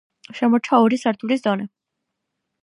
შემორჩა ორი სართულის დონე.